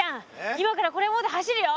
今からこれ持って走るよ。